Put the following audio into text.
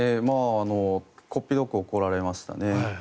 こっぴどく怒られましたね。